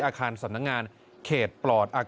อาคารสำนักงานเขตปลอด